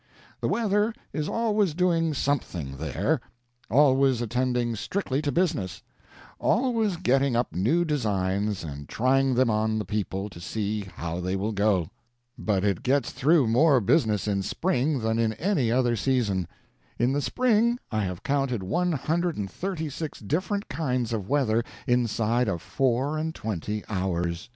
The weather is always doing something there; always attending strictly to business; always getting up new designs and trying them on the people to see how they will go. But it gets through more business in spring than in any other season. In the spring I have counted one hundred and thirty six different kinds of weather inside of four and twenty hours.